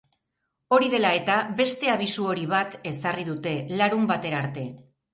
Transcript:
Hori dela eta, beste abisu hori bat ezarri dute, larunbatera arte.